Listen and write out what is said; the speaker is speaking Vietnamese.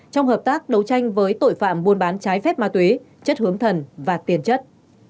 trong hợp tác đấu tranh với tội phạm buôn bán trái phép ma túy chất hướng thần và tiền chất